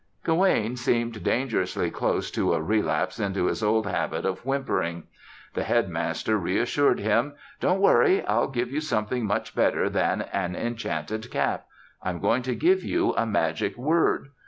Gawaine seemed dangerously close to a relapse into his old habit of whimpering. The Headmaster reassured him: "Don't worry; I'll give you something much better than an enchanted cap. I'm going to give you a magic word.